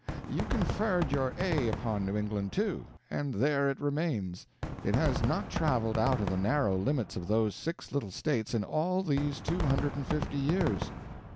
"You conferred your 'a' upon New England, too, and there it remains; it has not traveled out of the narrow limits of those six little states in all these two hundred and fifty years.